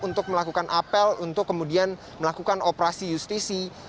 untuk melakukan apel untuk kemudian melakukan operasi justisi